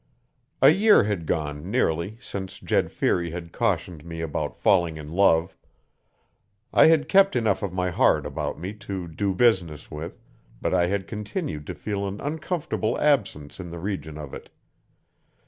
A year had gone, nearly, since Jed Feary had cautioned me about falling in love. I had kept enough of my heart about me 'to do business with', but I had continued to feel an uncomfortable absence in the region of it.